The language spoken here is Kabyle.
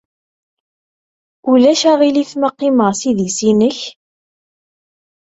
Ulac aɣilif ma qqimeɣ s idis-nnek?